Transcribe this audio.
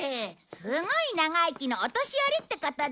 すごい長生きのお年寄りってことだよ。